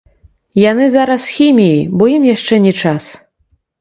Яны зараз з хіміяй, бо ім яшчэ не час.